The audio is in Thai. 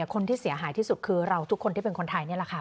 คนที่เสียหายที่สุดคือเราทุกคนที่เป็นคนไทยนี่แหละค่ะ